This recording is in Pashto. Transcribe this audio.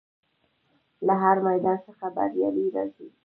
له هر میدان څخه بریالی راځي.